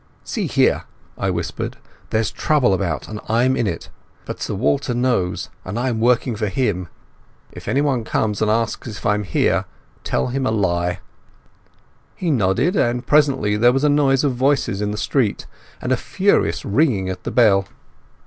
"See here," I whispered. "There's trouble about and I'm in it. But Sir Walter knows, and I'm working for him. If anyone comes and asks if I am here, tell him a lie." He nodded, and presently there was a noise of voices in the street, and a furious ringing at the bell.